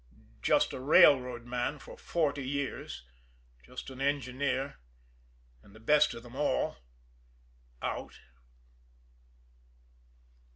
Just a railroad man for forty years, just an engineer, and the best of them all out!